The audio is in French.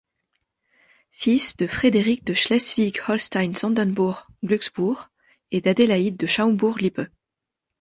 Fils de Frédéric de Schleswig-Holstein-Sonderbourg-Glücksbourg et d'Adélaïde de Schaumbourg-Lippe.